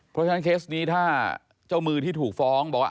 เพราะฉะนั้นเคสนี้ถ้าเจ้ามือที่ถูกฟ้องบอกว่า